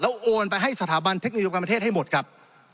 โอนไปให้สถาบันเทคโนโลยีการประเทศให้หมดครับ